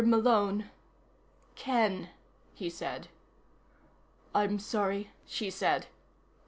Malone " "Ken," he said. "I'm sorry," she said.